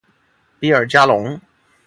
比尔加龙。